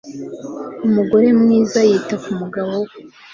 Umugore mwiza yita ku mugabo we